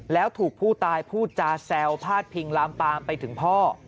แล้วถูกผู้ตายพูดจาแซวพาดพิงลามปามไปถึงพ่อ